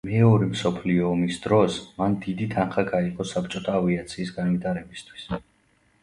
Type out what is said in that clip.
მეორე მსოფლიო ომის დროს, მან დიდი თანხა გაიღო საბჭოთა ავიაციის განვითარებისთვის.